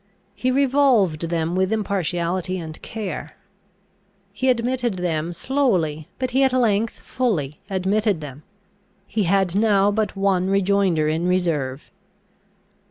He revolved them with impartiality and care. He admitted them slowly, but he at length fully admitted them. He had now but one rejoinder in reserve.